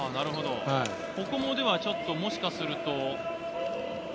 ここもちょっともしかすると。